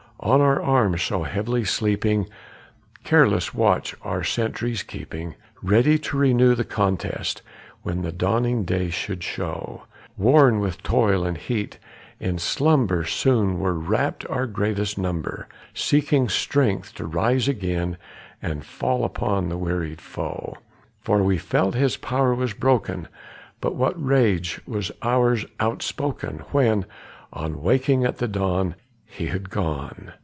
On our arms so heavily sleeping, careless watch our sentries keeping, Ready to renew the contest when the dawning day should show; Worn with toil and heat, in slumber soon were wrapt our greatest number, Seeking strength to rise again and fall upon the wearied foe; For we felt his power was broken! but what rage was ours outspoken When, on waking at the dawn, he had gone.